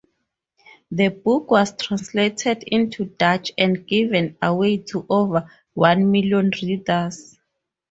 The book was translated into Dutch and given away to over one million readers.